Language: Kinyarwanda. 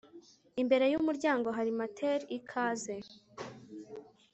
Imbere yumuryango hari matel ikaze